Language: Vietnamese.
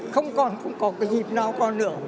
không còn cái dịp nào còn nữa